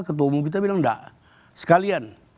ketua umum kita bilang enggak sekalian